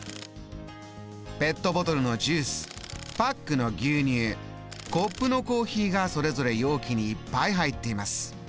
ペットボトルのジュースパックの牛乳コップのコーヒーがそれぞれ容器にいっぱい入っています。